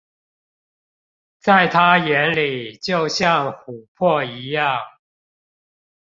在他眼裡就像琥珀一樣